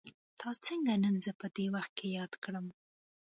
تا څنګه نن زه په دې وخت کې ياد کړم.